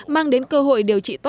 mang đến cơ hội điều trị tốt hơn